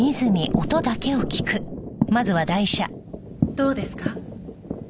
どうですか？